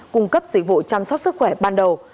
vụ chăm sóc sức khỏe ban đầu